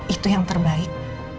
itu yang terbaik